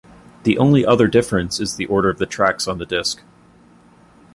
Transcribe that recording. The only other difference is the order of the tracks on the disc.